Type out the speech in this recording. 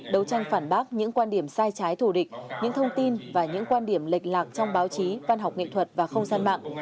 đấu tranh phản bác những quan điểm sai trái thù địch những thông tin và những quan điểm lệch lạc trong báo chí văn học nghệ thuật và không gian mạng